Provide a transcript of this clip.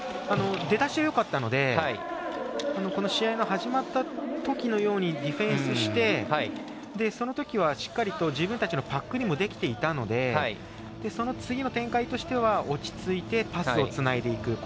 出だしはよかったので試合の始まったときのようにディフェンスして、そのときはしっかりと自分たちのパックにもできていたのでその次の展開としては落ち着いて、パスをつないでいく。